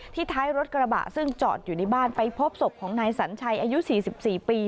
ท้ายรถกระบะซึ่งจอดอยู่ในบ้านไปพบศพของนายสัญชัยอายุ๔๔ปี